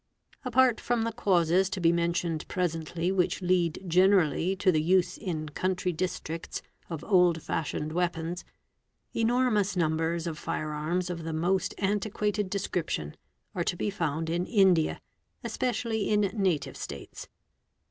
Apart from the causes to be mentioned presently which lead generally to the use in country districts of old fashioned weapons, enormous num : bers of fire arms of the most antiquated description are to be found in "India, especially in Native States.